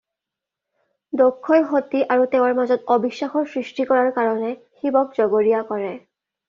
দক্ষই সতী আৰু তেওঁৰ মাজত অবিশ্বাসৰ সৃষ্টি কৰাৰ কাৰণে শিৱক জগৰীয়া কৰে।